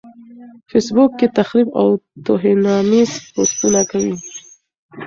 فېس بوک کې تخريب او توهيناميز پوسټونه کوي.